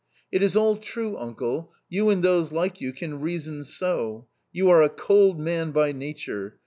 " It is all true, uncle, you and those like you can reason so. You are a cold man by nature.